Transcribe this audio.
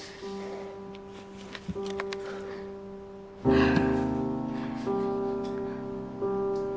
はあ。